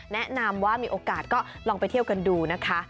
แนะนำว่ามีโอกาสก็ลองไปเที่ยวกันดูนะคะ